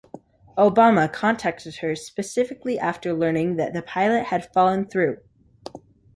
Obama contacted her specifically after learning that the pilot had fallen through.